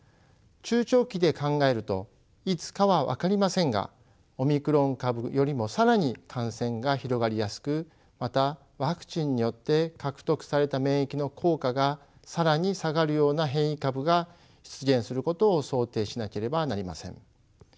中長期で考えるといつかは分かりませんがオミクロン株よりも更に感染が広がりやすくまたワクチンによって獲得された免疫の効果が更に下がるような変異株が出現することを想定しなければなりません。